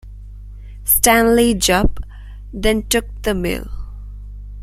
Stanley Jupp then took the mill.